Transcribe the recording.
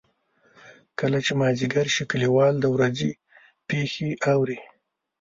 کله چې مازدیګر شي کلیوال د ورځې پېښې اوري.